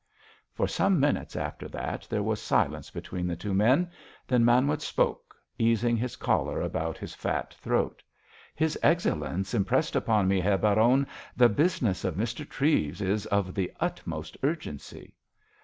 For some minutes after that there was silence between the two men; then Manwitz spoke, easing his collar about his fat throat: "His Excellenz impressed upon me, Herr Baron, the business of Mr. Treves is of the utmost urgency."